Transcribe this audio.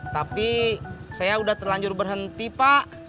tapi saya sudah terlanjur berhenti pak